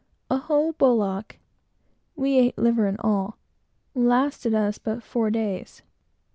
A whole bullock (we ate liver and all) lasted us but four days.